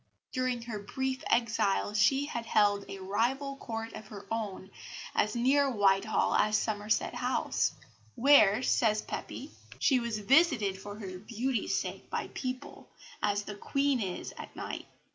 During her brief exile, she had held a rival court of her own as near Whitehall as Somerset House, where, says Pepys, "she was visited for her beauty's sake by people, as the Queen is at nights.